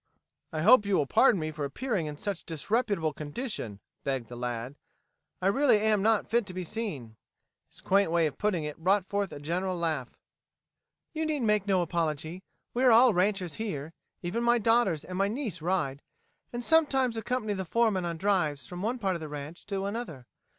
"I hope you will pardon me for appearing in such a disreputable condition," begged the lad. "I really am not fit to be seen." His quaint way of putting it brought forth a general laugh. "You need make no apology. We are all ranchers here. Even my daughters and my niece ride, and sometimes accompany the foreman on drives from one part of the ranch to another.